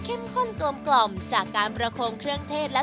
ข้นกลมกล่อมจากการประโคมเครื่องเทศและ